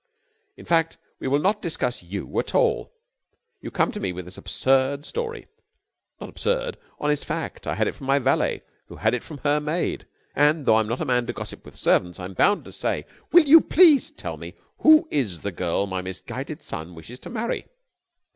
In fact, we will not discuss you at all. You come to me with this absurd story...." "Not absurd. Honest fact. I had it from my valet, who had it from her maid, and, though I'm not a man who gossips with servants, I'm bound to say...." "Will you please tell me who is the girl my misguided son wishes to marry?"